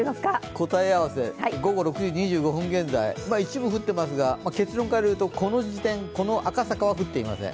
答え合わせ、午後６時２５分現在一部降っていますが、結論から言うとこの時点、この赤坂は降っていません。